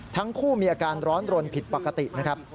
ทั้งคู่มีอาการร้อนรนผิดปกตินะครับ